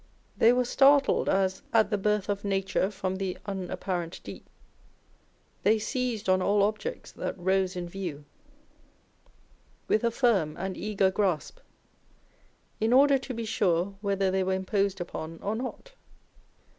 They were startled as "at the birth of nature from the un apparent deep." They seized on all objects that rose in view with a firm and eager grasp, in order to be sure whether they were imposed upon or not.